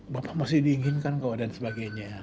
bapak masih diinginkan kok dan sebagainya